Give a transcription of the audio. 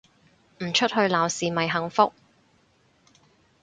唔出去鬧事咪幸福